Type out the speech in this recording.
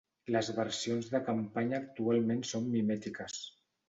Les versions de campanya actualment són mimètiques.